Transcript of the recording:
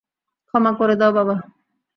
ক্ষমা করে দাও, বাবা।